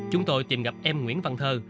chúng tôi tìm gặp em nguyễn văn thơ